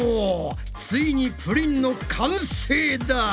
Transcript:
ついにプリンの完成だ！